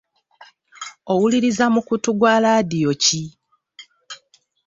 Owuliriza mukutu gwa laadiyo ki?